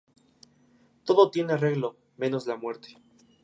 Todo tiene arreglo menos la muerte